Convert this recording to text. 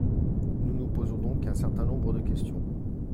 Nous nous posons donc un certain nombre de questions.